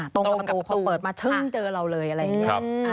ตรงกับประตูพอเปิดมาชึ้งเจอเราเลยอะไรอย่างนี้